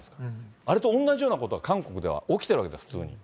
あれと同じようなことが韓国では起きてるわけです、普通に。